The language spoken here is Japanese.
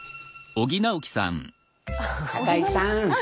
高井さん